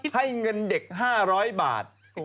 ให้เงินเด็ก๕๐๐บาท